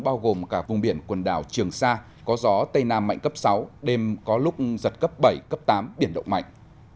bao gồm cả vùng biển quần đảo trường sa có gió tây nam mạnh cấp sáu đêm có lúc giật cấp bảy cấp tám biển động mạnh